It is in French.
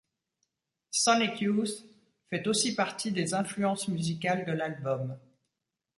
Sonic Youth fait aussi partie des influences musicales de l'album.